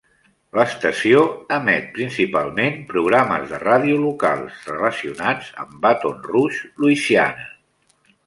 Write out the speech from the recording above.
L'estació emet principalment programes de ràdio locals relacionats amb Baton Rouge, Louisiana.